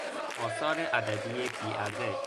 آثار ادبی بی ارزش